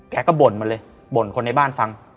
แกก็บ่นมาเลยบ่นคนในบ้านฟัง